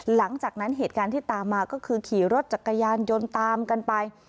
หลังจากนั้นเหตุการณ์ที่ตามมาก็คือขี่รถจักรยานยนต์ตามกันไป